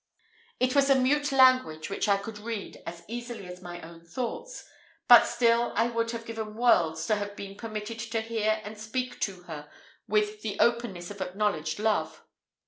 It was a mute language which I could read as easily as my own thoughts; but still I would have given worlds to have been permitted to hear and speak to her with the openness of acknowledged love.